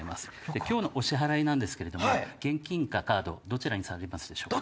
今日のお支払いなんですけれども現金かカードどちらにされますでしょうか？